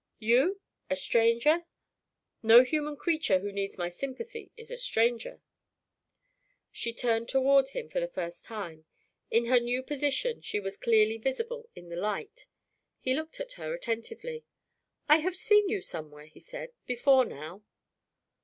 "You? A stranger?" "No human creature who needs my sympathy is a stranger." She turned toward him for the first time. In her new position, she was clearly visible in the light. He looked at her attentively. "I have seen you somewhere," he said, "before now."